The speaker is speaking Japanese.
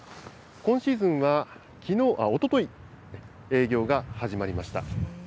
今シーズンはおととい、営業が始まりました。